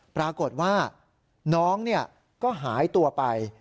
ปรากฏว่าน้องก็หายตัวไป